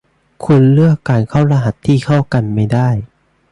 คุณเลือกการเข้ารหัสที่เข้ากันไม่ได้